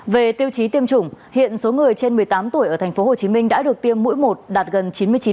về tiêu chí tiêm chủng hiện số người trên một mươi tám tuổi ở tp hcm đã được tiêm mũi một đạt gần chín mươi chín